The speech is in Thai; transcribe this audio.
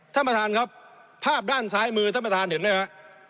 ท่านประธานครับภาพด้านซ้ายมือท่านประธานเห็นไหมฮะ